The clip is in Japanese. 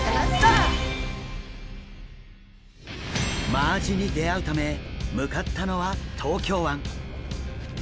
マアジに出会うため向かったのは東京湾。